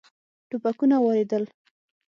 ټوپکونه واردېدل.